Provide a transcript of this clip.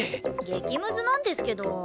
激むずなんですけど！